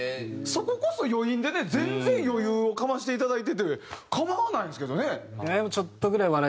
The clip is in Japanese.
そここそ余韻でね全然余裕をかましていただいてて構わないんですけどね。